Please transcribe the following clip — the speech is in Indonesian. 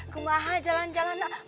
ke maha jalan jalan lah